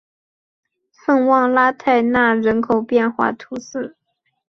圣旺拉泰讷人口变化图示